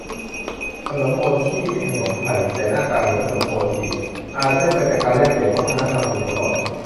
ขนมโม่ชี่ เป็นขนมไทย แต่หน้าตาเหมือนขนมโมจิ อาจได้มาจากการแลกเปลี่ยนวัฒนธรรมสมัยก่อน